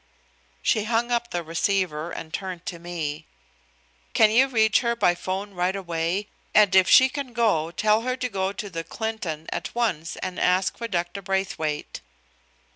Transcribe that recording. She hung up the receiver and turned to me. "Can you reach her by 'phone right away, and if she can go tell her to go to the Clinton at once and ask for Dr. Braithwaite?"